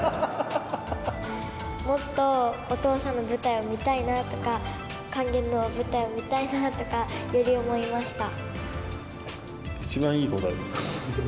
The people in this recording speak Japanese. もっとお父さんの舞台を見たいなとか、勸玄の舞台を見たいなとか、より思いました。